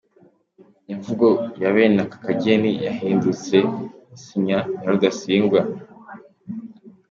Imvugo ya benakakageni yahindutse nk’isinya ya Rudasingwa.